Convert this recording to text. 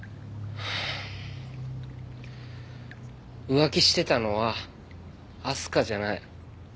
浮気してたのは明日香じゃない。